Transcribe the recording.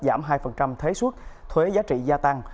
giảm hai thế suất thuế giá trị gia tăng